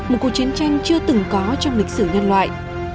một cuộc chiến tranh chưa từng có trong lịch sử nhân loại